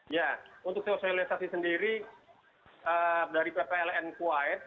ya untuk sosialisasi sendiri dari ppln kuwait